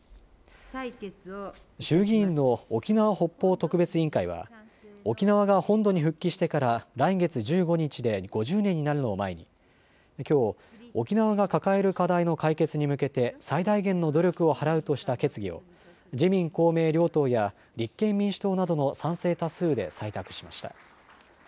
衆議院の沖縄北方特別委員会は沖縄が本土に復帰してから来月１５日で５０年になるのを前にきょう沖縄が抱える課題の解決に向けて最大限の努力を払うとした決議を自民公明両党や立憲民主党などの賛成多数で採択しました。